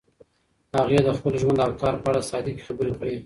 هغې د خپل ژوند او کار په اړه صادقې خبرې کړي.